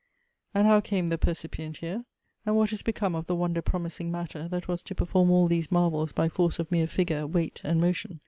And how came the percipient here? And what is become of the wonder promising Matter, that was to perform all these marvels by force of mere figure, weight and motion?